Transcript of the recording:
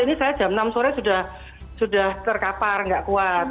ini saya jam enam sore sudah terkapar nggak kuat